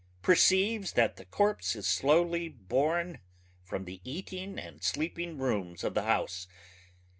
perceives that the corpse is slowly borne from the eating and sleeping rooms of the house